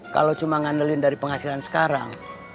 kalau cuma ngandelin dari penghasilan sekarang